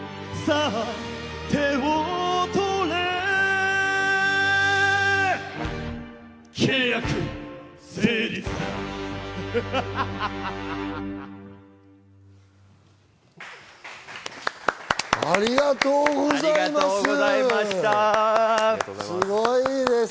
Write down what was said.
ありがとうございます。